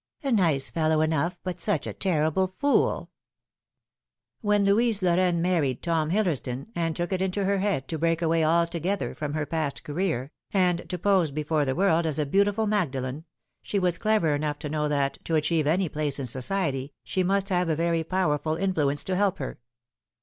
A nice fellow enough, but such a terrible foot" Shall She be Less than Another f 109 When Louise Lorraine married Tom Hillersdon, and took it into her head to break away altogether from her past career, and to pose before the world as a beautiful Magdalen, she was clever enough to know that, to achieve any place in society, she must have a very powerful influence to help her.